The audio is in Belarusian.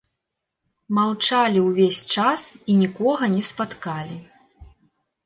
Маўчалі ўвесь час і нікога не спаткалі.